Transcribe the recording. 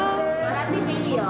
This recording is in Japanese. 笑ってていいよ。